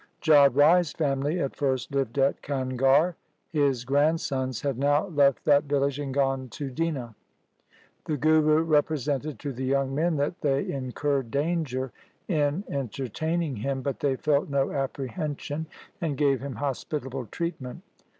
Jodh Rai's family at first lived at Kangar. His grand sons had now left that village and gone to Dina. The Guru represented to the young men that they incurred danger in entertaining him, but they felt no apprehension, and gave him hospitable treatment.